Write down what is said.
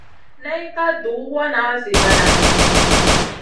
Nay ka duhw wana zi banada.